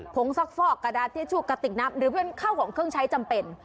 งซักฟอกกระดาษทิชชู่กระติกนับหรือเป็นข้าวของเครื่องใช้จำเป็น